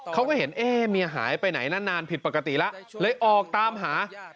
เขาก็เห็นเอ๊ะเมียหายไปไหนนานผิดปกติแล้วเลยออกตามหา